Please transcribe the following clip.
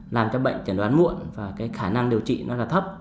làm cho bệnh chẳng đoán muộn và khả năng điều trị nó là thấp